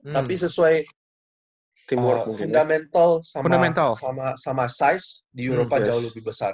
tapi sesuai fundamental sama size di eropa jauh lebih besar